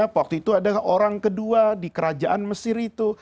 waktu itu adalah orang kedua di kerajaan mesir itu